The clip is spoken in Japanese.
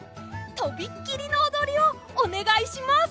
とびっきりのおどりをおねがいします！